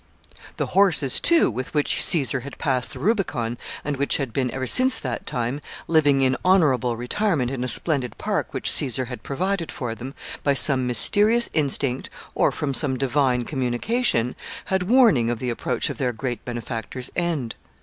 [Sidenote: Caesar's horses.] The horses, too, with which Caesar had passed the Rubicon, and which had been, ever since that time, living in honorable retirement in a splendid park which Caesar had provided for them, by some mysterious instinct, or from some divine communication, had warning of the approach of their great benefactor's end.